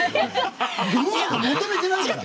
世の中求めてないから。